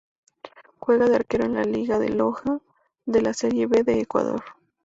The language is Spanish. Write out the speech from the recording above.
Juega de arquero en Liga de Loja de la Serie B de Ecuador.